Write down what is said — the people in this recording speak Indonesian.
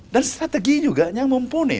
dan strategi juga yang mumpuni